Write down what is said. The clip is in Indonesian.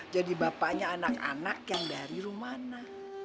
jadi bapaknya anak anak yang dari rumana